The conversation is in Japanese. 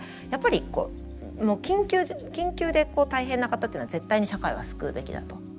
やっぱり緊急で大変な方っていうのは絶対に社会は救うべきだと。